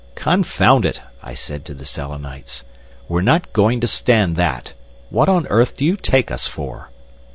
"Confound it!" I said to the Selenites; "we're not going to stand that! What on earth do you take us for?"